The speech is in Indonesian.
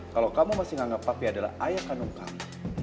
kalau kamu masih menganggap papi adalah ayah kandung kami